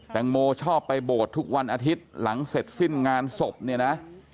งโมชอบไปโบสถ์ทุกวันอาทิตย์หลังเสร็จสิ้นงานศพเนี่ยนะ